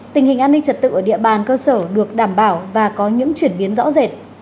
tình hình an ninh trật tự ở địa bàn cơ sở được đảm bảo và có những chuyển biến rõ rệt